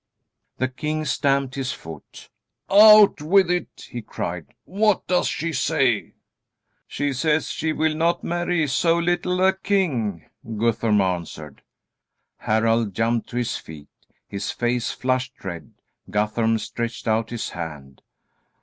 The king stamped his foot. "Out with it!" he cried. "What does she say?" "She says that she will not marry so little a king," Guthorm answered. Harald jumped to his feet. His face flushed red. Guthorm stretched out his hand.